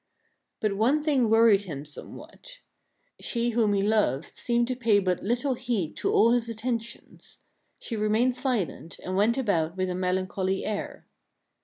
But one thing worried him somewhat. She whom he loved seemed to pay but little heed to all his attentions. She remained silent, and went about with a melancholy air.